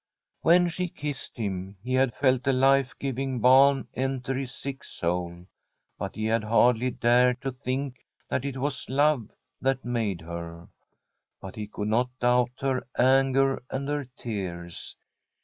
When she kissed him he had felt a life giving balm enter his sick soul, but he had hardly dared to think that it was love that made her. But he could not doubt her anger and her tears.